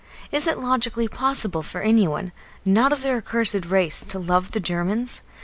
Is it logically possible for anyone, not of their accursed race, to love the Germans?